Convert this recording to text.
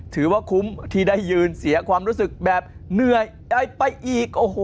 ถือว่าคุ้มที่ได้ยืนเสียความรู้สึกแบบเหนื่อยได้ไปอีก